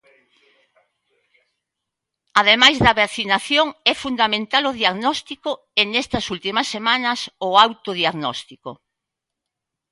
Ademais da vacinación, é fundamental o diagnóstico e nestas últimas semanas o autodiagnósitco.